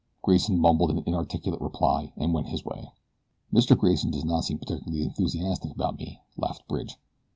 Grayson mumbled an inarticulate reply and went his way. "Mr. Grayson does not seem particularly enthusiastic about me," laughed Bridge.